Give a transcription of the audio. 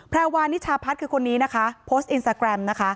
แพรวาร์นิชาพัฒน์คือคนนี้โพสต์อินสตาแกรม